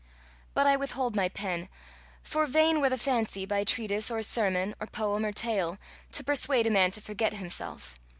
But I withhold my pen; for vain were the fancy, by treatise or sermon or poem or tale, to persuade a man to forget himself.